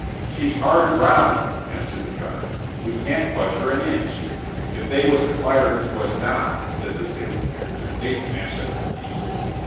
"She's hard aground!" answered the gunner. "We can't budge her an inch." "If they was to fire into us now," said the sailing master, "they'd smash us to pieces."